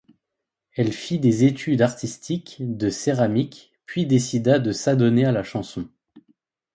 Elle fit des études artistiques de céramique, puis décida de s’adonner à la chanson.